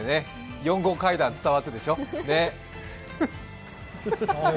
４号階段を伝わってでしょ？